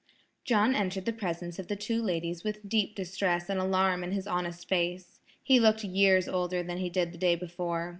John entered the presence of the two ladies with deep distress and alarm in his honest face. He looked years older than he did the day before.